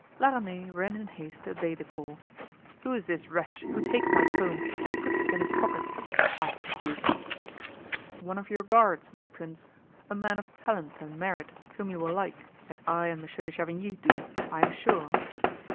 La Ramee ran in haste to obey the call. "Who is this wretch who takes my comb and puts it in his pocket?" asked the duke. "One of your guards, my prince; a man of talent and merit, whom you will like, as I and Monsieur de Chavigny do, I am sure."